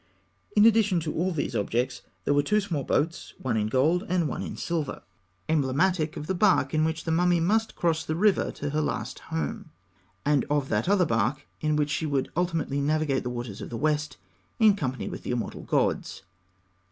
In addition to all these objects, there were two small boats, one in gold and one in silver, emblematic of the bark in which the mummy must cross the river to her last home, and of that other bark in which she would ultimately navigate the waters of the West, in company with the immortal gods.